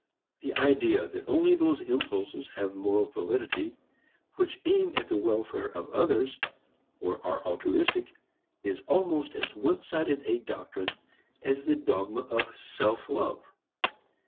The idea that only those impulses have moral validity which aim at the welfare of others, or are altruistic, is almost as one sided a doctrine as the dogma of self love.